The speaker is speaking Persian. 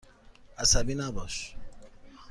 عصبی نباش.